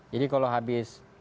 jadi kalau habis